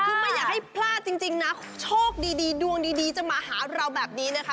คือไม่อยากให้พลาดจริงนะโชคดีดวงดีจะมาหาเราแบบนี้นะคะ